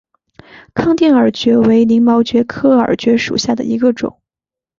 康定耳蕨为鳞毛蕨科耳蕨属下的一个种。